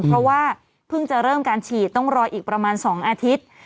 เพราะว่าเพิ่งจะเริ่มการฉีดต้องรออีกประมาณ๒อาทิตย์